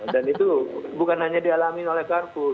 dan itu bukan hanya dialami oleh carrefour